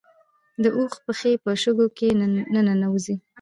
د اوښ پښې په شګو کې نه ننوځي